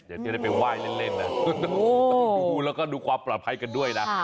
เดี๋ยวจะได้ไปไหว้เล่นนะต้องดูแล้วก็ดูความปลอดภัยกันด้วยนะ